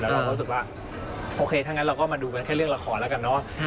เราก็รู้สึกว่าโอเคถ้างั้นเราก็มาดูกันแค่เรื่องละครแล้วกันเนอะ